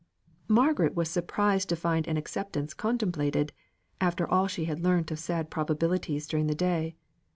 Margaret was surprised to find an acceptance contemplated, after all she had learnt of sad probabilities during the day.